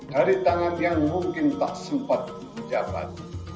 dari tangan yang mungkin tak sempat didapat